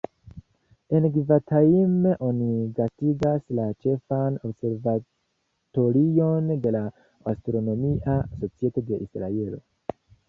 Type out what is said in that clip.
En Givatajim oni gastigas la ĉefan observatorion de la Astronomia Societo de Israelo.